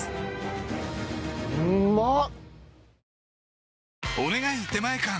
うまっ！